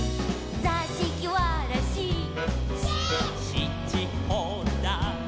「しちほだ」